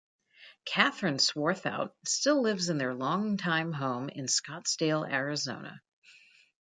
Kathryn Swarthout still lives in their longtime home in Scottsdale, Arizona.